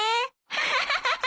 ハハハハ。